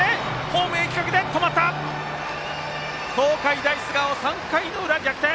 東海大菅生、３回の裏、逆転！